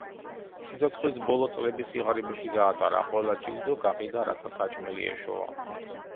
სიცოცხლის ბოლო წლები სიღარიბეში გაატარა, ყველა ჯილდო გაყიდა რათა საჭმელი ეშოვა.